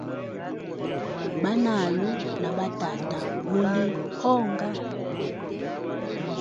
Banayu na ba tata muli onga?